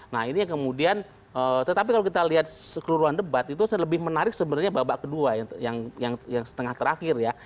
nah ini yang kemudian tetapi kalau kita lihat sekeluruhan debat itu lebih menarik sebenarnya babak kedua yang setengah terakhir ya